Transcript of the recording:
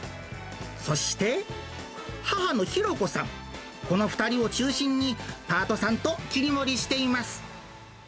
そして、母の弘子さん、この２人を中心に、パートさんと切り盛りしています。